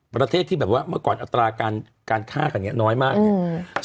ประเทศที่แบบว่าเมื่อก่อนอัตราการฆ่ากันเนี่ยน้อยมากเนี่ย